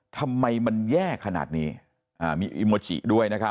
ทำไมมันแย่ขนาดนี้มีอิโมจิด้วยนะครับ